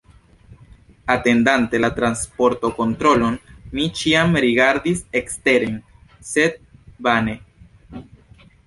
Atendante la pasportokontrolon, mi ĉiam rigardis eksteren, sed vane.